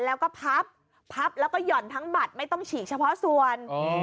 แล้วก็พับพับแล้วก็ห่อนทั้งบัตรไม่ต้องฉีกเฉพาะส่วน